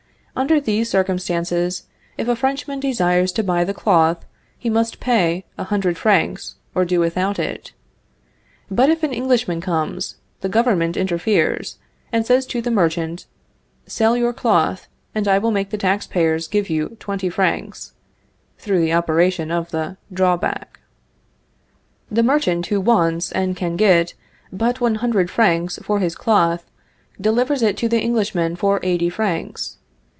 Under these circumstances, if a Frenchman desires to buy the cloth, he must pay a hundred francs, or do without it. But if an Englishman comes, the government interferes, and says to the merchant: "Sell your cloth, and I will make the tax payers give you twenty francs (through the operation of the drawback)." The merchant, who wants, and can get, but one hundred francs for his cloth, delivers it to the Englishman for eighty francs.